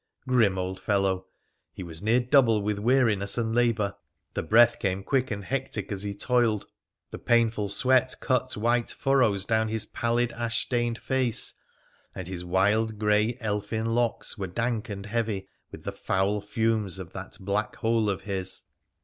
Grim old fellow ! He was near double with weariness and labour ; the breath came quick and hectic as he toiled ; the painful sweat cut white furrows down his pallid, ash stained face ; and his wild, grey, elfin locks were dank and heavy with the foul fumes of that black hole of his.